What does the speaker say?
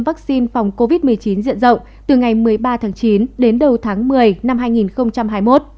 vaccine phòng covid một mươi chín diện rộng từ ngày một mươi ba tháng chín đến đầu tháng một mươi năm hai nghìn hai mươi một